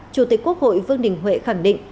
chủ tịch quốc hội vương đình huệ khẳng định